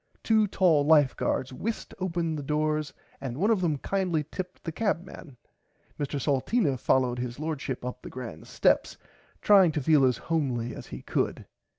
Two tall life guards whisked open the doors and one of them kindly tipped the cabman. Mr Salteena followed his lordship up the grand steps trying to feel as homely as he could.